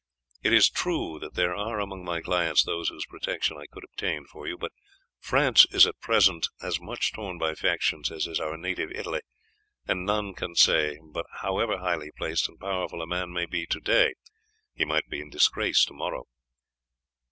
It is true that there are among my clients those whose protection I could obtain for you; but France is at present as much torn by factions as is our native Italy, and none can say but, however highly placed and powerful a man may be to day, he might be in disgrace to morrow."